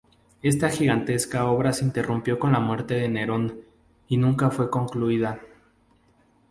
Esta gigantesca obra se interrumpió con la muerte de Nerón y nunca fue concluida.